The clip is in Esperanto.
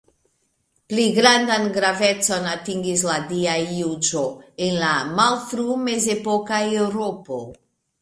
Pli grandan gravecon atingis la Dia juĝo en la malfru-mezepoka Eŭropo.